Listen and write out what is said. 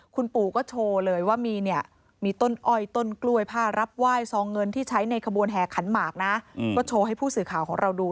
คุณปู่ก็โชว์เลยว่ามีเนี่ยมีต้นอ้อยต้นกล้วยผ้ารับไหว้ซองเงินที่ใช้ในขบวนแห่ขันหมากนะก็โชว์ให้ผู้สื่อข่าวของเราดู